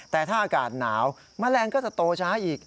แต่ถ้าอากาศหนาวแมลงก็จะโตช้าอีก